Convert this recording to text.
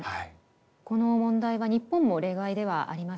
この問題は日本も例外ではありません。